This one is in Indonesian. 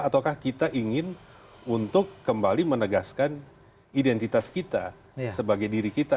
ataukah kita ingin untuk kembali menegaskan identitas kita sebagai diri kita